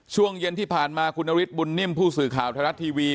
ช่วงเย็นที่ผ่านมาคุณนฤทธบุญนิ่มผู้สื่อข่าวไทยรัฐทีวี